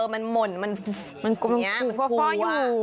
มันหม่นมันขู่ฟ่ออยู่